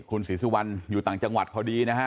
คุณศรีสุวรรณอยู่ต่างจังหวัดพอดีนะฮะ